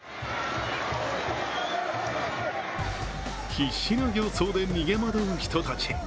必死な形相で逃げ惑う人たち。